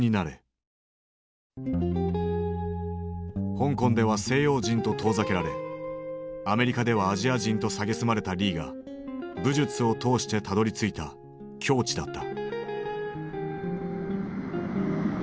香港では西洋人と遠ざけられアメリカではアジア人と蔑まれたリーが武術を通してたどりついた境地だった。